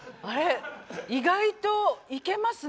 意外とイケますね。